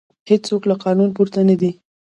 هیڅوک له قانون پورته نه دی